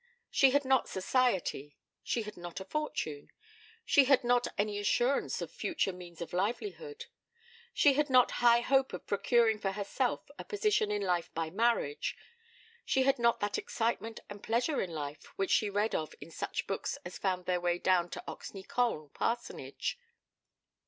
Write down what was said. She had not society; she had not a fortune; she had not any assurance of future means of livelihood; she had not high hope of procuring for herself a position in life by marriage; she had not that excitement and pleasure in life which she read of in such books as found their way down to Oxney Colne Parsonage.